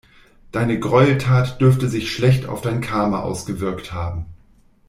Deine Gräueltat dürfte sich schlecht auf dein Karma ausgewirkt haben.